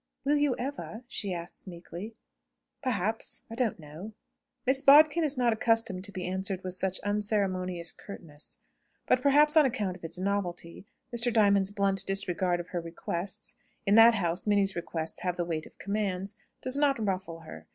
"Will you ever?" she asks, meekly. "Perhaps. I don't know." Miss Bodkin is not accustomed to be answered with such unceremonious curtness; but, perhaps on account of its novelty, Mr. Diamond's blunt disregard of her requests (in that house Minnie's requests have the weight of commands) does not ruffle her.